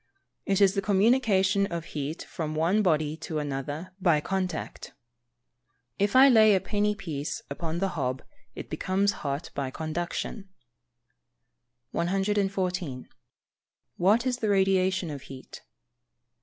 _ It is the communication of heat from one body to another by contact. If I lay a penny piece upon the hob, it becomes hot by conduction. 114. _What is the Radiation of heat?